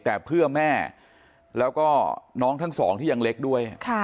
แต่เพื่อแม่แล้วก็น้องทั้งสองที่ยังเล็กด้วย